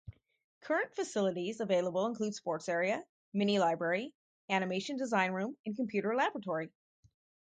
Current facilities available include sports area, mini-library, animation design room and computer laboratory.